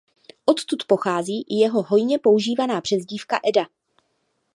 Odtud pochází i jeho hojně používaná přezdívka "Eda".